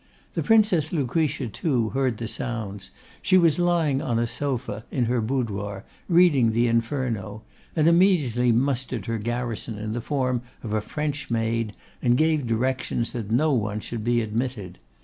The Princess Lucretia, too, heard the sounds; she was lying on a sofa, in her boudoir, reading the Inferno, and immediately mustered her garrison in the form of a French maid, and gave directions that no one should be admitted.